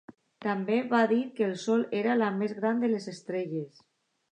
També va dir que el sol era la més gran de les estrelles.